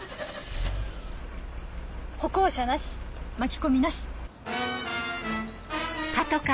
歩行者なし巻き込みなし。